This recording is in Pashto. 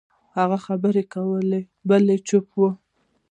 هغوی خبرې کوي، بل یې چوپ وي.